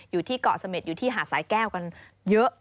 อยู่ที่เกาะเสม็ดอยู่ที่หาดสายแก้วกันเยอะ